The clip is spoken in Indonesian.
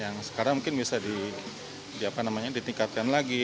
yang sekarang mungkin bisa ditingkatkan lagi